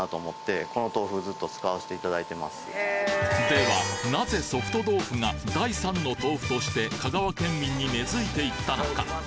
ではなぜ「ソフト豆腐」が第三の豆腐として香川県民に根付いていったのか？